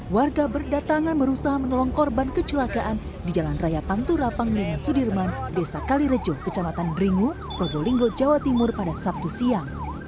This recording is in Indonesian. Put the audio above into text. warga berdatangan berusaha menolong korban kecelakaan di jalan raya pantura panglima sudirman desa kalirejo kecamatan dringu probolinggo jawa timur pada sabtu siang